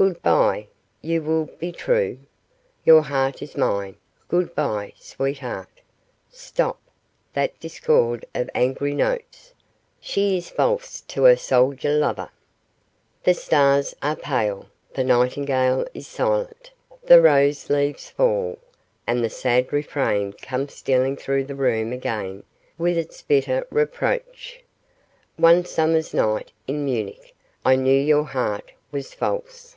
Good bye! you will be true? Your heart is mine, good bye, sweetheart! Stop! that discord of angry notes she is false to her soldier lover! The stars are pale, the nightingale is silent, the rose leaves fall, and the sad refrain comes stealing through the room again with its bitter reproach, 'One summer's night in Munich I knew your heart was false.